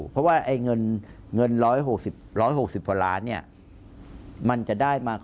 เพราะว่าเงิน๑๖๐พอล้านมันจะได้มา